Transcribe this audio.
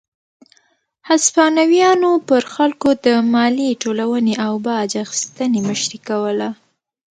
هسپانویانو پر خلکو د مالیې ټولونې او باج اخیستنې مشري کوله.